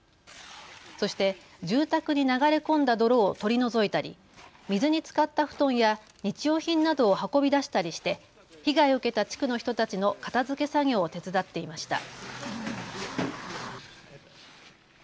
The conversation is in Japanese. そして住宅に流れ込んだ泥を取り除いたり水につかった布団や日用品などを運び出したりして被害を受けた地区の人たちの片づけ作業を手伝っていました。